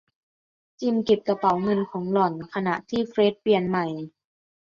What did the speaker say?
จิมเก็บกระเป๋าเงินของหล่อน ขณะที่เฟร็ดเปลี่ยนใหม่